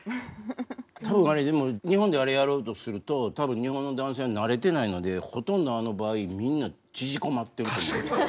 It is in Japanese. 多分あれでも日本であれやろうとすると多分日本の男性は慣れてないのでほとんどあの場合みんな縮こまってると思います。